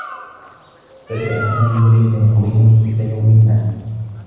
بدآ سامي و ليلى يقضيان كلّ يوم معا.